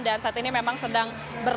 dan saat ini memang sedang berlaku